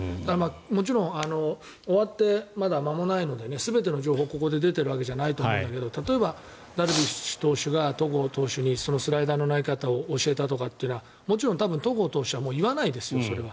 もちろん終わってまだ間もないので全ての情報が出ているわけじゃないと思うけど例えばダルビッシュ投手が戸郷投手にスライダーの投げ方を教えたというのはもちろん戸郷投手は言わないですよ。